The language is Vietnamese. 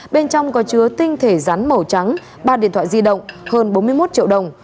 bên trong có chứa tinh thể rắn màu trắng ba điện thoại di động hơn bốn mươi một triệu đồng